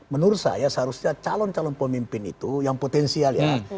menurut saya seharusnya calon calon pemimpin itu yang potensial ya